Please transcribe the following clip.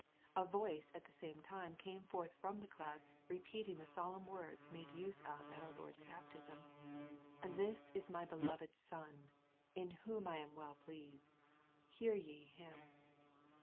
— A voice at the same time came forth from the cloud, repeating the solemn words, made use of at our Lord's baptism, " This is my beloved Son, in whom I am well pleased : hear ye Him."